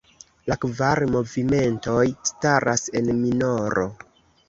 La kvar movimentoj staras en minoro.